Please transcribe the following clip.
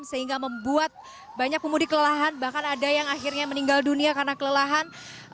sehingga membuat banyak pemudik kelelahan bahkan ada yang akhirnya meninggal dunia karena kelelahan